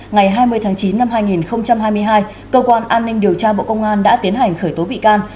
ngày hai mươi tháng chín năm hai nghìn hai mươi hai cơ quan an ninh điều tra bộ công an đã tiến hành khởi tố bị can